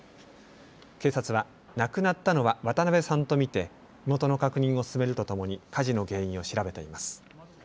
警察は亡くなったのは渡邊さんと見て身元の確認を進めるとともに火事の原因を調べています。